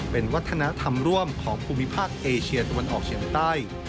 เป็นวัฒนธรรมร่วมของภูมิภาคเอเชียตะวันออกเฉียงใต้